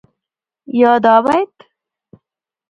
يا دا بيت